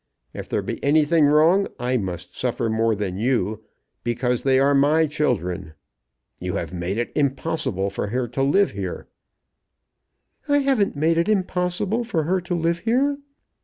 If there be anything wrong I must suffer more than you, because they are my children. You have made it impossible for her to live here " "I haven't made it impossible for her to live here.